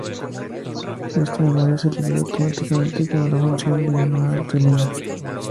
Esta memoria se libera automáticamente cuando la función de llamada termina.